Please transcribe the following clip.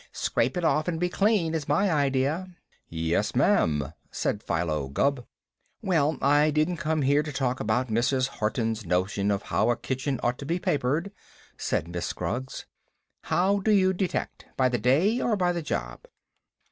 "Scrape it off and be clean, is my idea." "Yes, ma'am," said Philo Gubb. "Well, I didn't come here to talk about Mrs. Horton's notion of how a kitchen ought to be papered," said Miss Scroggs. "How do you detect, by the day or by the job?"